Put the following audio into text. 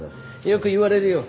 よく言われるよ。